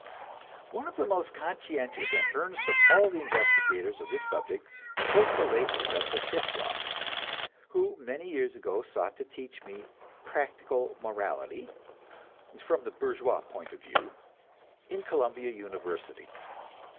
One of the most conscientious and earnest of all the investigators of this subject was the late Professor Hyslop, who many years ago sought to teach me "practical morality" (from the bourgeois point of view) in Columbia University.